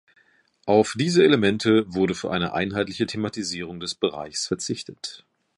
Auf diese Elemente wurde für eine einheitliche Thematisierung des Bereichs verzichtet.